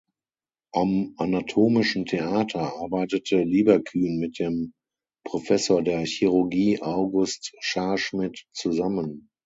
Am Anatomischen Theater arbeitete Lieberkühn mit dem Professor der Chirurgie August Schaarschmidt zusammen.